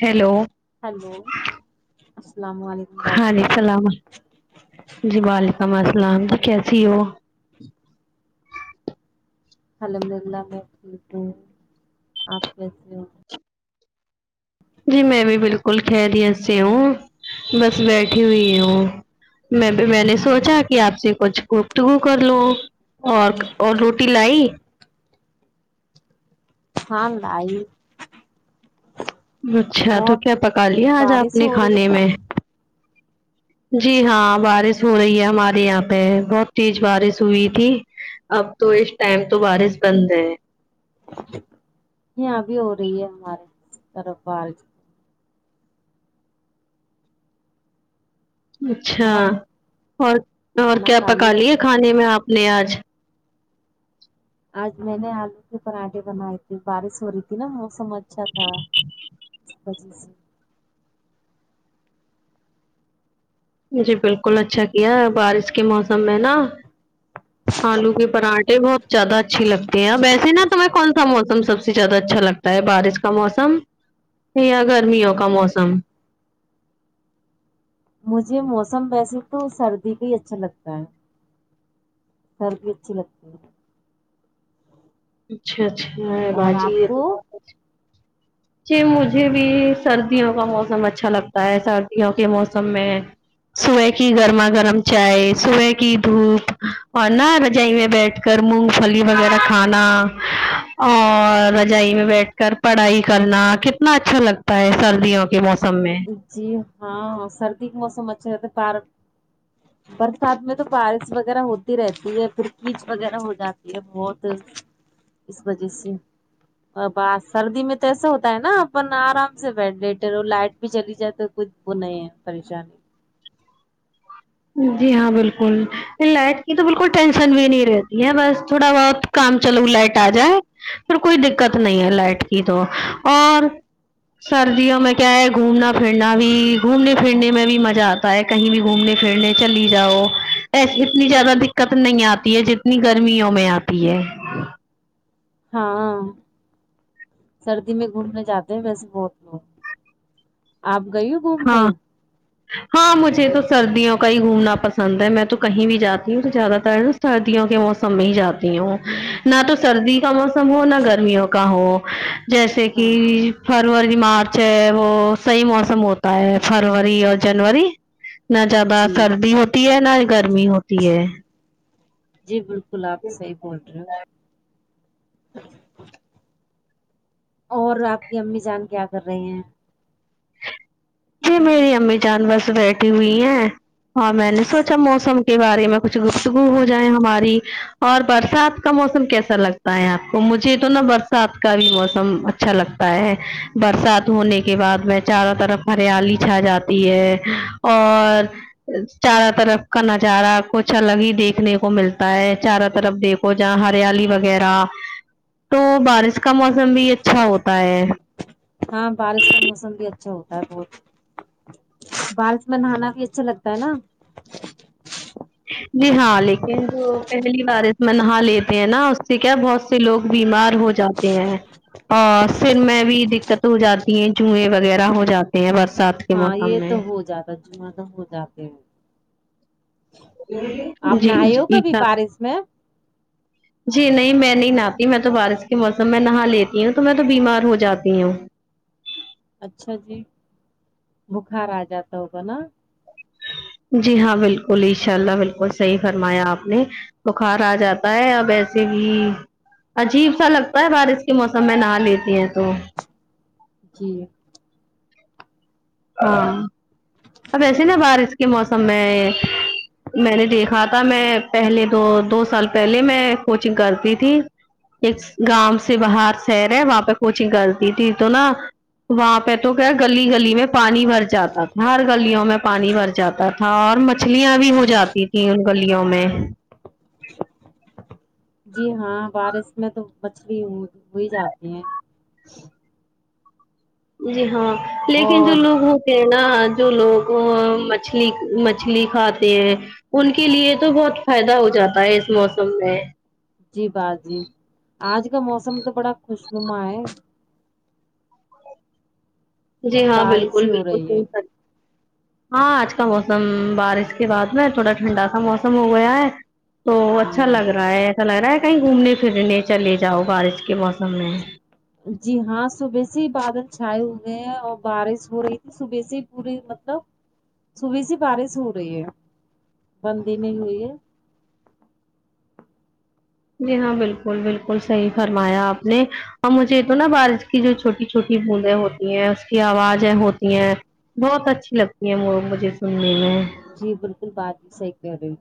hello hello السلام و علیک ہاںلم السلام جی وعلیکم السلام جی کیسی ہو الحمد للہ میں ٹھیک ہو آپ کیسے ہو جی میں بھی بالکل خریت سے ہوں بس بیٹھی ہوئی ہوں میں میں نے سوچا کہ آپ سے کچھ گفتگو کر لوں اور اور روٹی لائی ہاں لائی اچھا تو اور کیا پکا لیا آج آپ بارش نے ہو رہی ہے کھانے کیا میں جی ہاں بارش ہو رہی ہے ہمارے یہاں پہ بہت تیج بارش ہوئی تھی اب تو اس ٹائم تو جی بارس بند ہے یہاں بھی ہو رہی ہے ہمارے طرف بارش اچھا اور اور اور کھانا کیا کھا لیا پکالئے کھانے میں آپ نے آج آج میں نے آلو کے پراٹھے بنائے تھے باراس ہو رہی تھی نا موسم اچھا تھا اس وجہ سے جی بالکل اچھا کیا بارش کے موسم میں نا آلو کے پراٹھے بہت جیادہ اچھی لگتے ہیں اب ویسے نا تمیں کون سا کا موسم سب سے زیادہ اچھا لگتا ہے بارش کا موسم یا گرمیوں کا موسم مجھے موسم ویسے تو سردی کا ہی اچھا لگتا ہے گرمی بھی اچھی لگتی ہے اچھا اچھا ہے اور باجی آپ یہ کو تو ہے جی مجھے بھی سردیوں کا موسم اچھا لگتا ہے سردیوں کے موسم میں صبح کی گرما گرم چائے صبح کی دھوپ اور نہ رجائی میں بیٹھ کر مونگ پھلی وغیرہ کھانا اور رجائی میں بیٹھ کر پڑھائی کرنا کتنا اچھا لگتا ہے سردیوں کے موسم میں جی ہاں سردی کے موسم اچھا رہتا پر برسات میں تو بارش وغیرہ ہوتی رہتی ہے پھر کچ وغیرہ ہو جاتی ہے بہت اس وجہ سے ا با سردی میں تو ایسا ہوتا ہے نا اپن آرام سے بیٹھ لیٹے رہو لائٹ بھی چلی جائے تو کچھ وہ نہیں ہے پریشانی جی ہاں بالکل لائٹ کی تو بالکل ٹینشن بھی نہیں رہتی ہے بس تھوڑا بہت کام چلو لائٹ آ جائے پھر کوئی دیکت نہیں ہے لائٹ کی تو اور سردیوں میں کیا ہے گھومنا پھرنا بھی گھومنے پھرنے میں بھی مجا آتا ہے کہیں بھی گھومنے پھرنے چلی جاؤ اتنی زیادہ دکت نہیں آتی ہے جتنی گرمیوں میں آتی ہے ہاں سردی میں گھومنے جاتے ہیں ویسے بہت لوگ آپ گئی ہو گھومنے ہاں ہاں مجھے تو سردیوں کا ہی گھومنا پسند ہے میں تو کہیں بھی جاتی ہوں تو زیادہ تر سردیوں کے موسم میں ہی جاتی ہوں نہ تو سردی کا موسم ہو نہ گرمیوں کا ہو جیسے کہ فروری مارچ ہے وہ صحیح موسم ہو تا ہے فروری اور جنوری نہ زیادہ جی سردی ہوتی ہے نہ ہی گرمی ہوتی ہے جی بالکل آپ صحیح بول رہے ہو اور آپ کی امی جان کیا کر رہی ہیں جی میری امی جان بس بیٹھی ہوئی ہیں ہاں میں نے سوچا موسم کے بارے میں کچھ گف تگو ہو جائے ہماری اور برسات کا موسم کیسا لگتا ہے آپ کو مجھے تو نا بر سات کا بھی موسم اچھا لگتا ہے برسات ہونے کے بعد میں چاروں طرف ہریالی چھا جاتی ہے اور چاروں طرف کا نظارہ کچھ الگ ہی دیکھنے کو ملتا ہے چاروں طرف دیکھ و جہاں ہریالی وغیرہ تو بارش کا موسم بھی اچھا ہوتا ہے ہاں بارش کا موسم بھی اچھا ہوتا ہے بہت بارش میں نہانا بھی اچھا لگتا ہے نا جی ہاں لیکن جو پہلی بارش میں نہا لیتے ہیں نا اس سے کیا بہت سے لوگ بیمار ہو جاتے ہیں اور سر میں بھی دقت ہو جاتی ہے جوئیں وغیرہ ہو جاتے ہیں بس ساتھ ہاں یہ تو ہو جاتا جواں تو ہو جاتے ہیں آپ جی نہاے ہو جی کبھی سب بارش میں جی نہیں میں نہیں نہاتی میں تو بارش کے موسم میں نہا لیتی ہوں تو میں تو بیمار ہو جاتی ہوں اچھا جی بکھار آ جاتا ہوگا نا جی ہاں بالکل ان شاء اللہ بالکل صحیح فرمایا آپ نے بخار آ جاتا ہے اب ایسے ہی عجیب سا لگتا ہے بارش کے موسم میں نہا لیتی ہیں تو جی ہاں اب ایسے نا بارش کے موسم میں میں نے دیکھا تھا میں پہلے دو دو سال پہلے میں کوچنگ کرتی تھی ایک گاؤں سے باہر شہر ہے وہاں پہ کوچنگ کرتی تھی تو نا وہاں پہ تو کیا گلی گلی میں پانی بھر جاتا تھا ہر گلیوں میں پانی بھر جاتا تھا اور مچھلیاں بھی ہو جاتی تھیں ان گلیوں میں جی ہاں بارش میں تو مچھلی ہوئی جاتی ہیں جی ہاں لیکن جو اور لوگ ہو تے نا جو لوگ ا مچھلی مچھلی کھاتے ہیں ان کے لیے تو بہت فائدہ ہو جاتا ہے اس موسم میں جی باجی آج کا موسم تو بڑا خوش نما ہے جی ہاں بارش بالکل ہی ہو بالکل رہی ہے صحیح فر ہاں آج کا موسم بارش کے بعد میں تھوڑا ٹھنڈا سا موسم ہو گیا ہے تو اچھا ہوں، لگ رہا ہے ایسا لگ رہا ہے کہیں گھومنے پھرنے نیچر لے جاؤ بارش کے موسم میں جی ہاں صبح سے ہی بادل چھائے ہوئے ہیں اور بارش ہو رہی تھی صبح سے پوری مطلب صبح سے بارش ہو رہی ہے بند ہی نہیں ہوئی ہے جی ہاں بالکل بالکل صحیح فرمایا آپ نے اور مجھے تو نا بارش کی جو چھوٹی چھوٹی بوندیں ہوتی ہیں اس کی آوازیں ہوتی ہیں بہت اچھی لگتی ہیں وہ مجھے سننے میں جی بالکل بات صحیح کہہ رہی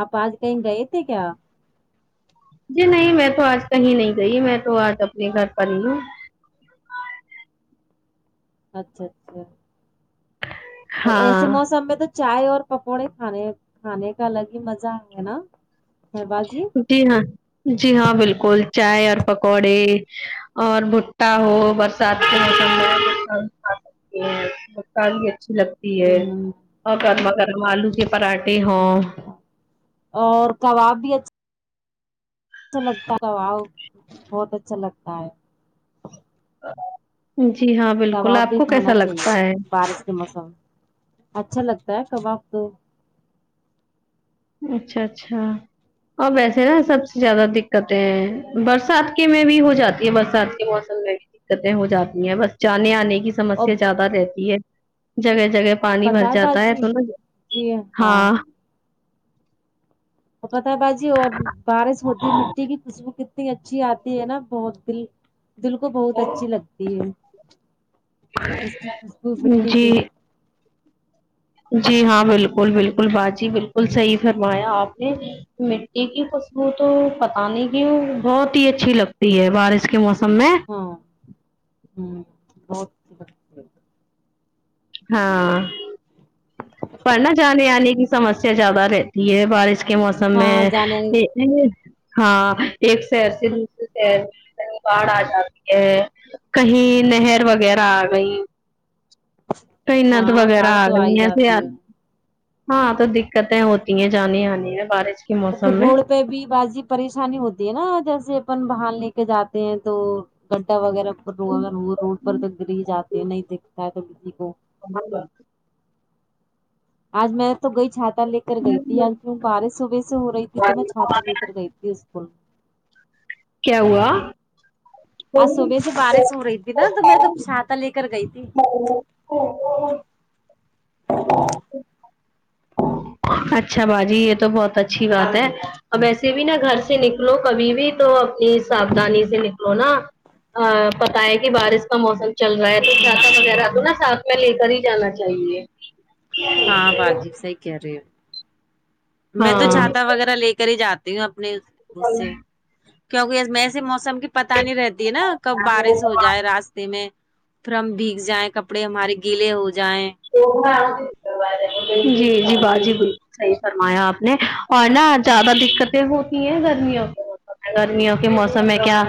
آپ آج کہیں گئے تھے کیا جی نہیں میں تو آج کہیں نہیں گئی میں تو آج اپنے گھر پر ہی ہوں اچھا اچھا ایسے ہاں موسم میں تو چائے اور پکوڑے کھانے کھانے کا الگ ہی مزہ ہے نا ہے باجی جی ہاں جی ہاں بالکل چائے اور پکوڑے اور بٹا ہو بس برسات موسم میں کھا سکتے ہیں م [inaudible] ال بھی اچھی لگ ہے ہمم اور گرما گرم آلو کے پراٹھے ہاں ہوں اور کباب بھی اچھ ا لگتا کباب بہت اچھا لگتا ہے جی ہاں بالکل کباب آپ بھی کو کیسا کھانا چاہیے لگتا ہے بارش کے موسم اچھا لگتا ہے کباب تو اچھا اچھا اور ویسے نا سب سے زیادہ دقتیں برسات کے میں بھی ہو جاتی ہے برسات کے موسم میں دقتیں ہو جاتی ہیں بس جانے آنے کی اور سمسیا زیادہ رہتی ہے جگہ جگہ پانی بھر پتہ جاتا ہے باجی تو نا ہاں تو پتا ہے با جی اور بارش ہوتی ہے مٹی کی خوشبو کت اچھی آتی ہے نا بہت فری دل کو بہت اچھی لگتی ہے اس کی خوشبو مٹی کے جی جی ہاں بالکل بالکل باجی بالکل صحیح فرمایا آپ نے مٹی کی خشبو تو پتا نہیں کی بہت ہی اچھی لگتی ہے بارش کے موسم میں ہاں ہوں بہت ہاں پر نا جانے آنے کی سمسیا زیادہ رہتی ہے بارش کے موسم ہاں میں جانے نہیں ہاں ایک شہر سے دوسرے شہر میں کہیں باڑھ آ جاتی ہے کہیں نہر وغیرہ آ گئی کہیں ند ہاں وغیرہ باڑ آ تو ہی گئی ہے جاتی ہاں تو دقتیں ہوتی ہیں جانے آنے میں بارش کے تو موسم پھر روڈ پہ بھی بازی پریشانی ہوتی ہے نا جیسے اپن باہر لے کے جاتے ہیں تو گڈھا وغیرہ پر اگر وہ روڈ پر تو گر ہی جاتے ہیں نہیں دکھتا ہے تو کسی کو ب ب [inaudible] آج میں تو گئی چھاتا لے کر گئی تھی کی بارش صبح سے ہو رہی تھی تو میں چھاتہ لے کر گئی تھی اسکول کیا ہوا آج صبح سے بارش ہو رہی تھی نا تو میں تو چھاتہ لے کر گئی تھی ب [inaudible] [inaudible] اچھا باجی یہ تو بہت اچھی بات ہے اب ایسے بھی نا گھر سے نکلو کبھی بھی تو اپنی ساودھنی سے نکلو نا ہاں پتا ہے کہ بارش کا موسم چل رہا ہے تو چھاتا وغیرہ تو نا ساتھ میں لے کر ہی جانا چاہیے ج [inaudible] ہاں باجی صحیح کہہ رہے ہو میں تو چھاتا وغیرہ لے کر ہی جاتی ہوں اپنے اس سے ہاں کیونکہ ایسے موسم کی پتہ نہیں رہتی ہے نا کب بارش ہو جائے راستے میں پھر ہم بھیگ جائیں کپڑے ہمارے گیلے ہو جائیں جی جی با جی بالکل صحیح فرمایا آپ نے اور نا زیادہ دقتیں ہوتی ہیں گرمیوں ب گرمیوں کے موسم میں کیا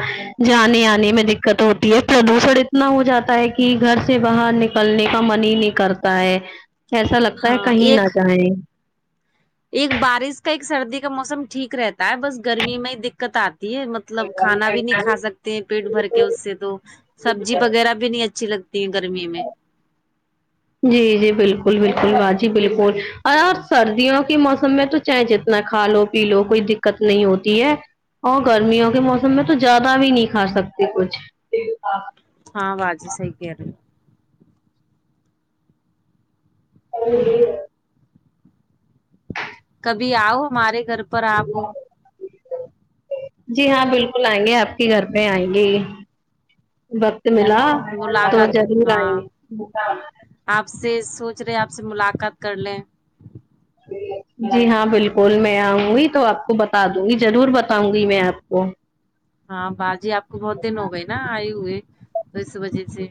جانے آنے میں دقت ہوتی ہے پردوشن اتنا ہو جاتا ہے کہ گھر سے باہر نکلنے کا من ہی نہیں کرتا ہے ایسا لگتا ہے ہاں کہیں نہ ایک جائیں ایک بارش کا ایک سردی کا موسم ٹھیک رہتا ہے بس گرمی میں ہی دقت آتی ہے مطلب کھانا بھی نہیں کھا سکتے ہیں پیٹ بھر کے اس سے تو سبزی وغیرہ بھی بھی نہیں اچھی لگتی ہے گرمی میں جی جی بالکل بالکل باجی بالکل اور آپ سردیوں کے موسم میں تو چاہے جتنا کھا لو پی لو کوئی دقت نہیں ہوتی ہے اور گرمیوں کے موسم میں تو زیادہ بھی نہیں کھا سکتے کچھ ہاں واجی صحیح کہہ رہی ہیں [inaudible] ابھی آؤ ہمارے گھر پر آپ جی ہاں بالکل آئیں گے آپ کے گھر پہ آئیں گے وقت ملا تو ملاقات جرور ہاں آئیں گے آپ سے سوچ رہے آپ سے ملاقات کر لیں جی ہاں بالکل میں آؤں گی تو آپ کو بتا دوں گی ضرور بتاؤں گی میں آپ کو ہاں باجی آپ کو بہت دن ہو گئے نا آئے ہوئے تو یس وجہ سے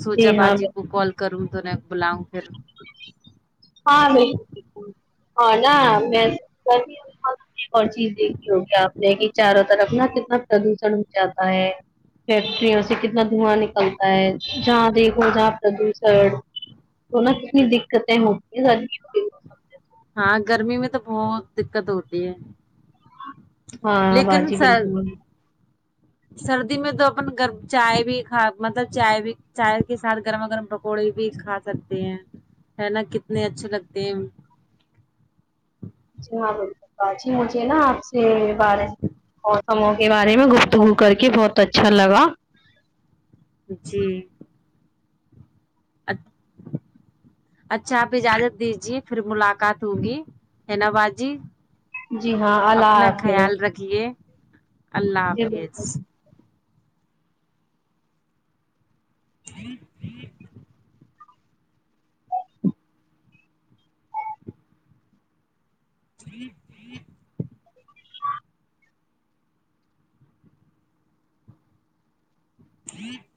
سونچا جی ہاں باجی کو کال کروں تو نہ بلاؤں پھر ہاں بھائی [unintelligible] ہاں نا میں اور چیز دیکھی ہوگی آپ نے کہ چاروں طرف نا کتنا پردوشن ہو جاتا ہے فیکٹریوں سے کتنا دھواں نکل تا ہے جہاں دیکھو جہاں پردوشن تو نہ کتنی دکتیں ہو [unintelligible] ہاں گرمی میں تو بہت دکت ہوتی ہے ہاں لیکن باجی سر بالکل سردی میں تو اپن گرم چائے بھی کھ مطلب چائے بھی چائے کے ساتھ گرما گرم پکوڑے بھی کھا سکتے ہیں ہے نا کتنے اچھے لگتے ہیں جی ہاں بالکل باجی مجھے نا آپ سے بارہ موسموں کے بارے میں گفتگو کر کے بہت اچھا لگا جی اٹھ اچھا اب اجازت دیجیے پھر ملاقات ہوگی ہے نا باجی جی ہاں اللہ اپنا حافظ خیال رکھیے اللہ جی حافظ بالکل [inaudible]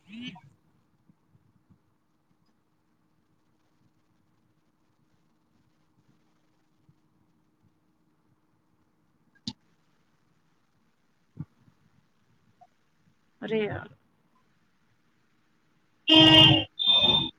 ارے یار [inaudible]